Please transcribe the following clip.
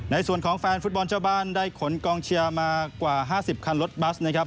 ในส่วนของแฟนฟุตบอลเจ้าบ้านได้ขนกองเชียร์มากว่า๕๐คันรถบัสนะครับ